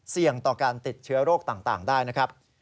เสี่ยงต่อการติดเชื้อโรคต่างได้นะครับ